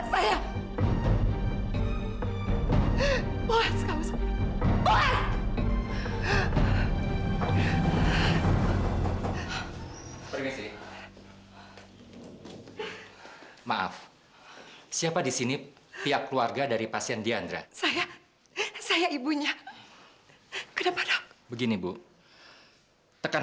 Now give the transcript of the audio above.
kayaknya ini cewek harus diamanin ke apartemen gue deh